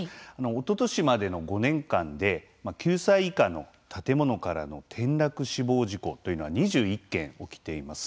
おととしまでの５年間で９歳以下の建物からの転落死亡事故というのは２１件、起きています。